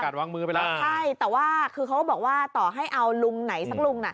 ใช่แต่ว่าคือเขาบอกว่าต่อให้เอาลุงไหนสักลุง